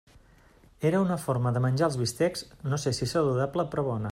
Era una forma de menjar els bistecs, no sé si saludable, però bona.